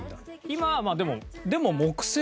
今はまあでも。